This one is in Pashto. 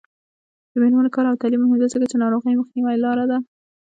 د میرمنو کار او تعلیم مهم دی ځکه چې ناروغیو مخنیوي لاره ده.